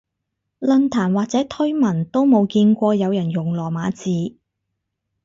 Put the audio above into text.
論壇或者推文都冇見過有人用羅馬字